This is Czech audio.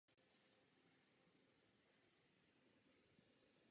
Najdeme je ale i v parcích nebo na předměstích.